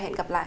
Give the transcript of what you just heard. hẹn gặp lại